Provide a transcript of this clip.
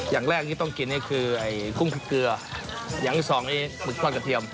อย่างแรกที่ต้องกินนี่คือไอ้กุ้งพริกเกลืออย่างที่สองนี่หมึกทอดกระเทียม